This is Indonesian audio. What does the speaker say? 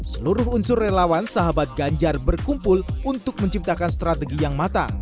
seluruh unsur relawan sahabat ganjar berkumpul untuk menciptakan strategi yang matang